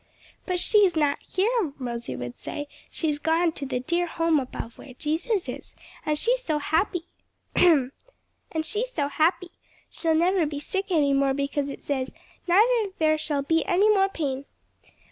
"But she is not here," Rosie would say, "she's gone to the dear home above where Jesus is. And she's so happy. She'll never be sick any more because it says, 'Neither shall there be any more pain.'"